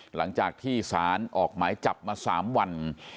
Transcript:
หลังจากที่สารออกหมายจับมา๓วัน